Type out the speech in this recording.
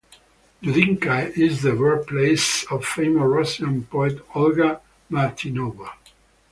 Dudinka is the birthplace of famous Russian poet Olga Martynova.